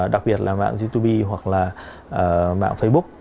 đặc biệt là mạng youtube hoặc là mạng facebook